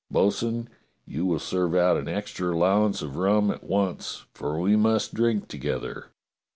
Bo'sun, you will serve out an extra allow ance of rum at once, for we must drink together."